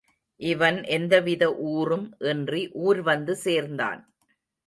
இவன் எந்தவித ஊறும் இன்றி ஊர் வந்து சேர்ந்தான்.